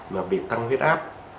và bị tăng huyết áp